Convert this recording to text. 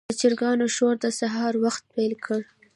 د چرګانو شور د سهار وخت پیل کړ.